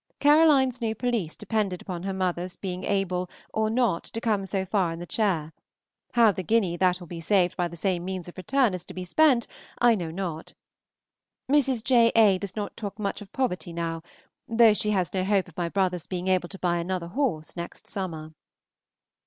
Caroline's new pelisse depended upon her mother's being able or not to come so far in the chair; how the guinea that will be saved by the same means of return is to be spent I know not. Mrs. J. A. does not talk much of poverty now, though she has no hope of my brother's being able to buy another horse next summer.